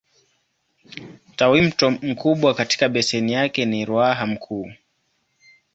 Tawimto mkubwa katika beseni yake ni Ruaha Mkuu.